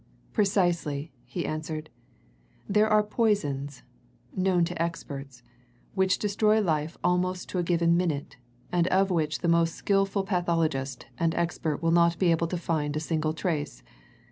"Precisely," he answered. "There are poisons known to experts which will destroy life almost to a given minute, and of which the most skilful pathologist and expert will not be able to find a single trace.